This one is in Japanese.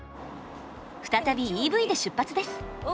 再びＥＶで出発です。